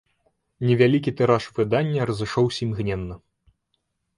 Невялікі тыраж выдання разышоўся імгненна.